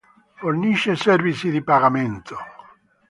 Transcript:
Fornisce servizi di pagamento.